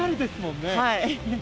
はい。